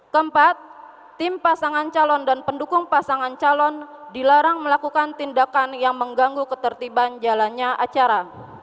keempat tim pasangan calon dan pendukung pasangan calon dilarang melakukan tindakan yang mengganggu ketertiban jalannya acara